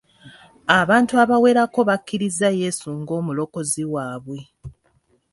Abantu abawerako bakkirizza Yesu ng'omulokozi waabwe.